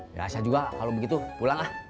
biasa juga kalau begitu pulang lah